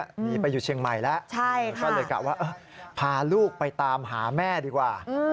หนีไปอยู่เชียงใหม่แล้วก็เลยกะว่าพาลูกไปตามหาแม่ดีกว่า